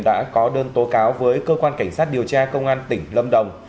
đã có đơn tố cáo với cơ quan cảnh sát điều tra công an tỉnh lâm đồng